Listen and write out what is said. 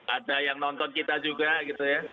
ada yang nonton kita juga gitu ya